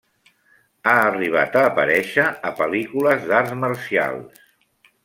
Ha arribat a aparèixer a pel·lícules d'arts marcials.